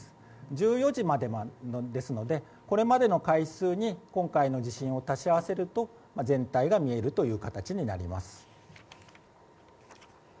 １４時までですのでこれまでの回数に今回の地震を足し合わせると全体が見えるという形になります。